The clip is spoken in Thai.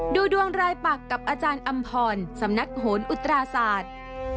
ดูดวงรายปักกับอาจารย์อำพรสำนักโหนอุตราศาสตร์